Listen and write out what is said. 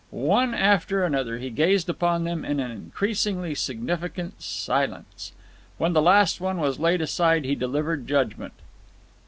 One after another he gazed upon them in an increasingly significant silence. When the last one was laid aside he delivered judgment.